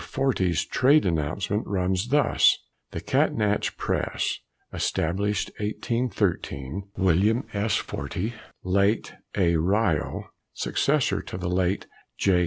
Fortey's trade announcement runs thus: "The Catnach Press." (Established 1813.) William S. Fortey, (late A. Ryle), successor to the late J.